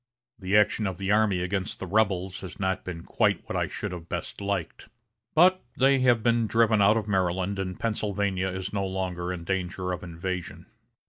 The action of the army against the rebels has not been quite what I should have best liked. But they have been driven out of Maryland, and Pennsylvania is no longer in danger of invasion.